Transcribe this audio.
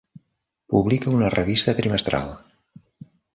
Publica una revista trimestral.